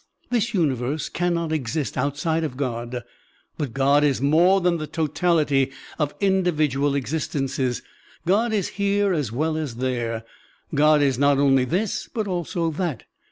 This universe cannot exist outside of God, but God is more than the totality of individual existences; God is here as well as there, God is not only this but also that.